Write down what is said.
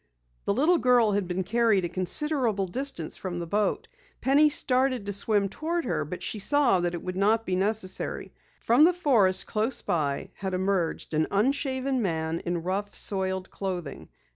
The little girl had been carried a considerable distance from the boat. Penny started to swim toward her, but she saw that it would not be necessary. From the forest close by had emerged an unshaven man in rough, soiled clothing.